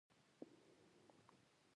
تهماسب د قزلباشانو یو لښکر ورولېږه.